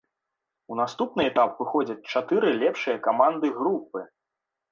У наступны этап выходзяць чатыры лепшыя каманды групы.